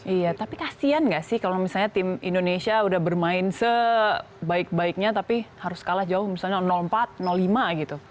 iya tapi kasian nggak sih kalau misalnya tim indonesia udah bermain sebaik baiknya tapi harus kalah jauh misalnya empat lima gitu